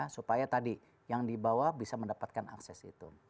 supaya tadi yang dibawa bisa mendapatkan akses itu